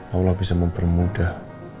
allah bisa mempermudah